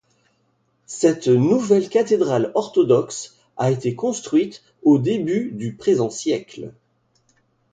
Cette nouvelle cathédrale orthodoxe a été construite au début du présent siècle.